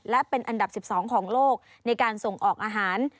และเป็นอันดับ๑๒ของโลกในการส่งออกอาหาร